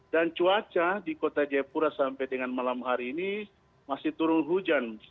dan cuaca di kota jayapura sampai dengan malam hari ini masih turun hujan